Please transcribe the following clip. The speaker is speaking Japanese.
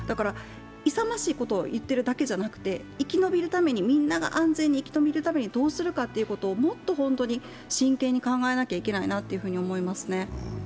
勇ましいことを言っているだけじゃなくて、みんなが安全に生き延びるためにどうするかということをもっと真剣に考えないといけないなと思いますね。